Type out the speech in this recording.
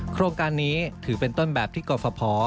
โครงการนี้ถือเป็นต้นแบบที่กรฟภ